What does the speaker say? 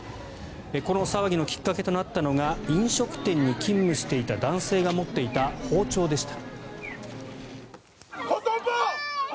この騒ぎのきっかけとなったのが飲食店に勤務していた男性が持っていた包丁でした。